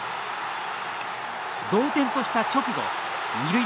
同点とした直後二塁